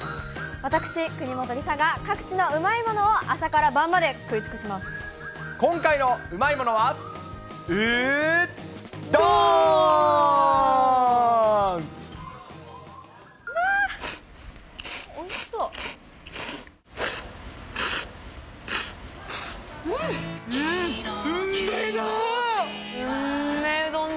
私、国本梨紗が、各地のうまいものを朝から晩まで喰い尽くし今回のうまいものは、う・どーん！